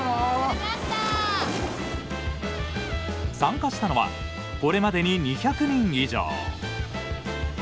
参加したのはこれまでに２００人以上。